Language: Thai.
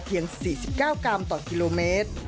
เพียง๔๙กรัมต่อกิโลเมตร